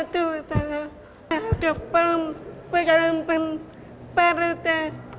tuh memang aku harus perlatar